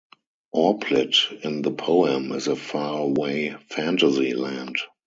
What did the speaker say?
Orplid in the poem is a faraway fantasy land.